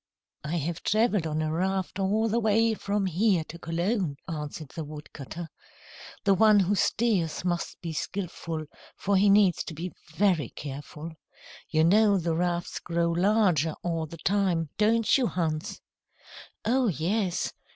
"I have travelled on a raft all the way from here to Cologne," answered the wood cutter. "The one who steers must be skilful, for he needs to be very careful. You know the rafts grow larger all the time, don't you, Hans?" "Oh, yes.